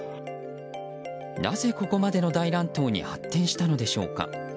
なぜ、ここまでの大乱闘に発展したのでしょうか。